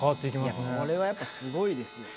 これはやっぱすごいですよ。